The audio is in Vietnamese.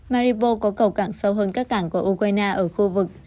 maripo có cầu cảng sâu hơn các cảng của ukraine ở khu vực